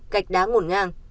gạch đá ngổn ngang